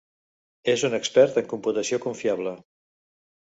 És un expert en computació confiable.